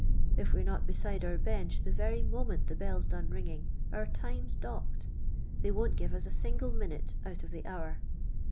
If we 're not beside our bench the very moment the bell's done rinsing, our time's dtK ked — they wont give us a single minute out of the hour.